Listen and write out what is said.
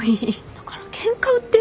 だからケンカ売ってる？